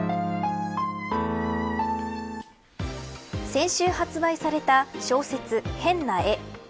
先週発売された小説、変な絵。